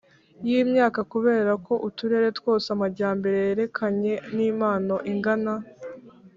y imyaka Kubera ko Uturere twose Amajyambere yerekeranye n impano ingana